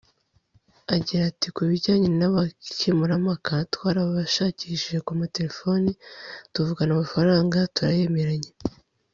Agira ati “Kubijyanye n’abakemurampaka twarabashakishije ku materefoni tuvugana amafaranga turayemeranya